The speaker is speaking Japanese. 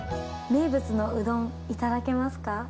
名物のうどんいただけますか？